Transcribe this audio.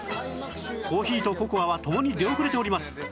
コーヒーとココアは共に出遅れております